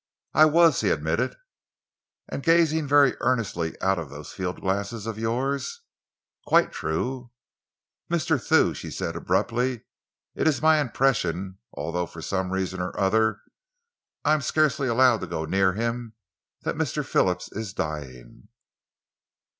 "I was," he admitted. "And gazing very earnestly out of those field glasses of yours." "Quite true." "Mr. Thew," she said abruptly, "it is my impression, although for some reason or other I am scarcely allowed to go near him, that Mr. Phillips is dying."